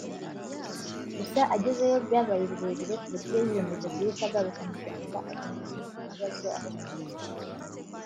gusa agezeyo byabaye birebire ku buryo yiyemeje guhita agaruka mu Rwanda agahangana n’ibibazo aho kubihunga